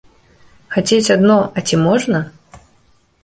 Хацець адно, а ці можна?